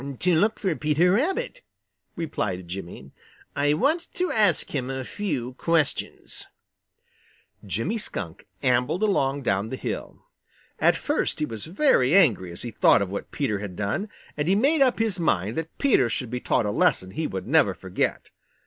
"To look for Peter Rabbit," replied Jimmy. "I want to ask him a few questions." Jimmy Skunk ambled along down the hill. At first he was very angry as he thought of what Peter had done, and he made up his mind that Peter should be taught a lesson he would never forget.